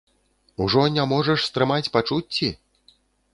Ужо не можаш стрымаць пачуцці?